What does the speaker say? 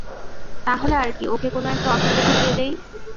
তাহলে আর কি, ওরে কোন একটা অফিসে ঢুকিয়ে দেই।